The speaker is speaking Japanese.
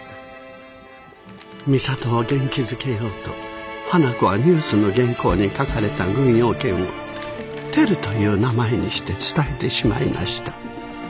美里を元気づけようと花子はニュースの原稿に書かれた軍用犬をテルという名前にして伝えてしまいました。